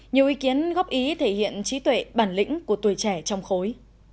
nhiều ý kiến góp ý thể hiện trí tuệ bản lĩnh của tuổi trẻ trong khối